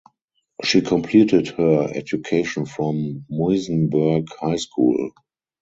She completed her education from Muizenberg High School.